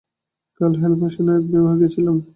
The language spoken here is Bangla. কাল হালফ্যাশনের এক বিবাহে গিয়েছিলাম।